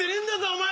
お前！